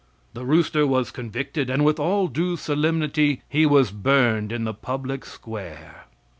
The rooster was convicted, and with all due solemnity, he was burned in the public square.